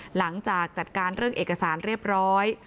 หลังจากจัดการเรื่องเอกสารเรียบร้อย